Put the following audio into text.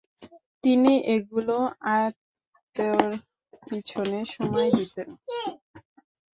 তিনি এগুলো আয়ত্তের পিছনে সময় দিতেন।